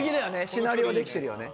シナリオはできてるよね。